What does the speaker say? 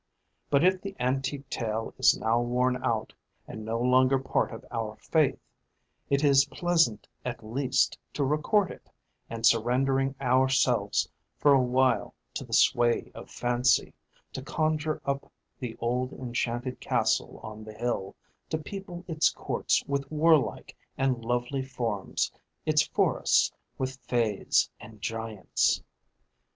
But if the antique tale is now worn out, and no longer part of our faith, it is pleasant at least to record it, and surrendering ourselves for a while to the sway of fancy, to conjure up the old enchanted castle on the hill, to people its courts with warlike and lovely forms, its forests with fays and giants.